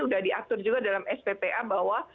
sudah diatur juga dalam sppa bahwa